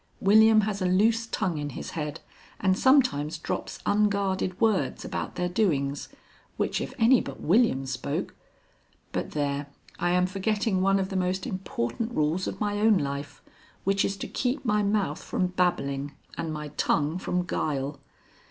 William has a loose tongue in his head and sometimes drops unguarded words about their doings, which if any but William spoke But there, I am forgetting one of the most important rules of my own life, which is to keep my mouth from babbling and my tongue from guile.